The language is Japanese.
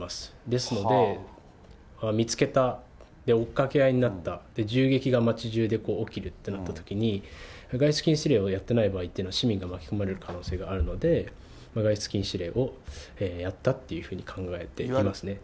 ですので、見つけた、追っかけ合いになった、銃撃が町じゅうで起きるってなったときに、外出禁止令をやってない場合っていうのは、市民が巻き込まれる可能性があるので、外出禁止令をやったっていうふうに考えていますね。